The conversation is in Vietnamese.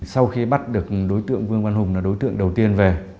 sau khi bắt được đối tượng vương văn hùng là đối tượng đầu tiên về